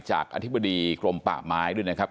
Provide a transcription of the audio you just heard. อธิบดีกรมป่าไม้ด้วยนะครับ